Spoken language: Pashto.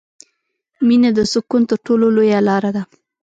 • مینه د سکون تر ټولو لویه لاره ده.